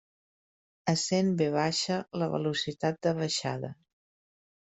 Essent v la velocitat de baixada.